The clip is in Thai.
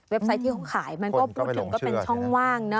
ไซต์ที่เขาขายมันก็พูดถึงก็เป็นช่องว่างนะ